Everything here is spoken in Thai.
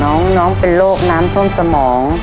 น้องเป็นโรคน้ำท่วมสมอง